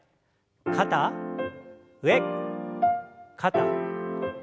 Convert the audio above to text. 肩上肩下。